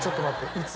いつ？